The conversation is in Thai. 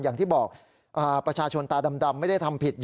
อย่างที่บอกประชาชนตาดำไม่ได้ทำผิด